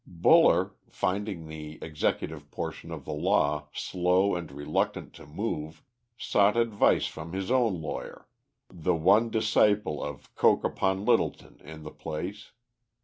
Buller, finding the executive portion of the law slow and reluctant to move, sought advice from his own lawyer, the one disciple of Coke upon Littleton in the place.